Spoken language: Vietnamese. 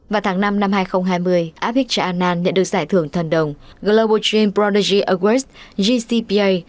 vào tháng năm năm hai nghìn hai mươi abhigya anand nhận được giải thưởng thần đồng global dream prodigy awards gcpa